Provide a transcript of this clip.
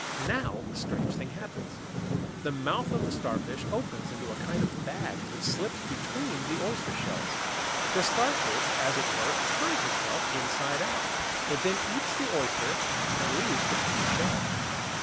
Now a strange thing happens. The mouth of the Starfish opens into a kind of bag which slips between the oyster shells. The Starfish, as it were, turns itself inside out! It then eats the oyster and leaves the clean shell.